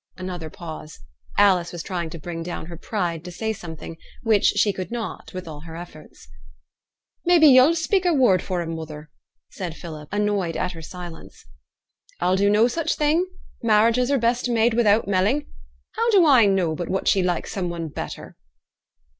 Another pause. Alice was trying to bring down her pride to say something, which she could not with all her efforts. 'Maybe yo'll speak a word for him, mother,' said Philip, annoyed at her silence. 'I'll do no such thing. Marriages are best made wi'out melling. How do I know but what she likes some one better?'